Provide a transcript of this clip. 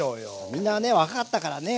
みんなね若かったからね。